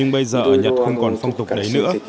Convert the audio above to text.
nhưng bây giờ ở nhật không còn phong tục đấy nữa